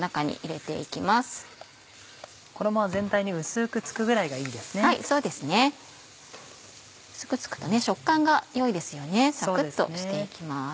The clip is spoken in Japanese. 薄く付くと食感が良いですよねサクっとして行きます。